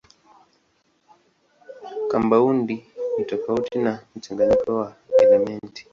Kampaundi ni tofauti na mchanganyiko wa elementi.